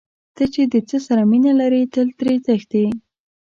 ته چې د څه سره مینه لرې تل ترې تښتې.